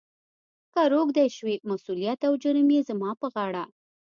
« کهٔ روږدی شوې، مسولیت او جرم یې زما پهٔ غاړه. »